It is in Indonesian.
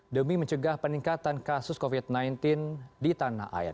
demi mencegah peningkatan kasus covid sembilan belas di tanah air